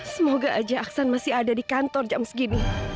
semoga aja aksan masih ada di kantor jam segini